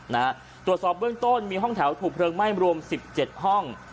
นะฮะตรวจสอบเบื้องต้นมีห้องแถวถูกเพลิงไหม้รวมสิบเจ็ดห้อง